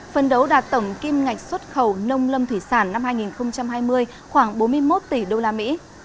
phân đấu đạt tổng kim ngạch xuất khẩu nông lâm thủy sản năm hai nghìn hai mươi khoảng bốn mươi một tỷ usd